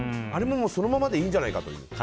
あれもそのままでいいんじゃないかという。